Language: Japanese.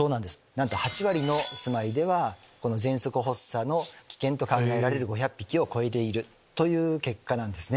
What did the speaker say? なんと８割の住まいではこのぜん息発作の危険と考えられる５００匹を超えているという結果なんですね。